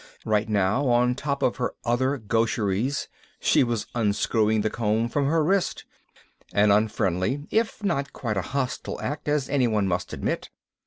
Right now, on top of her other gaucheries, she was unscrewing the comb from her wrist an unfriendly if not quite a hostile act, as anyone must admit.